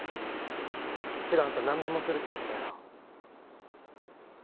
けどあんた何でもするって言ったよな？